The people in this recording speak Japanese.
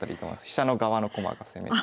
飛車の側の駒が攻めで。